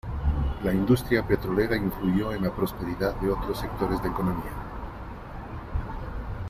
La industria petrolera influyó en la prosperidad de otros sectores de economía.